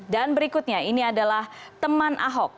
dan berikutnya ini adalah teman ahok